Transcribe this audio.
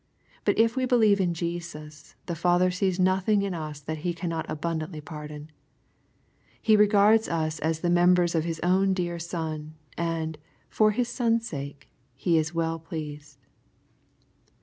But if we believe in Jesus, the Father sees nothing in us that He cannot abundantly pardon. He regards us as the members of His own dear Son, and, for His Son's sake, He is well pleased.